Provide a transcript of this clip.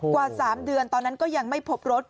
กว่า๓เดือนตอนนั้นก็ยังไม่พบรถ